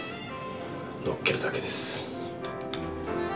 のっけるだけです。